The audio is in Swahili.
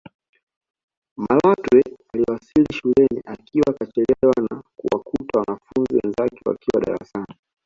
Malatwe aliwasili shuleni akiwa kachelewa na kuwakuta wanafunzi wenzake wakiwa darasani